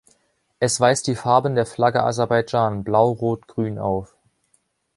Es weist die Farben der Flagge Aserbaidschan Blau-Rot-Grün auf.